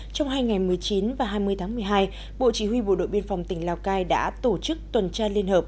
trong hai ngày một mươi chín và hai mươi tháng một mươi hai bộ chỉ huy bộ đội biên phòng tỉnh lào cai đã tổ chức tuần tra liên hợp